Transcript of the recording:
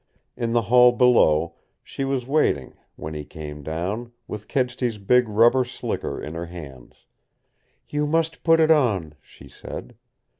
In the hall below she was waiting, when he came down, with Kedsty's big rubber slicker in her hands. "You must put it on," she said.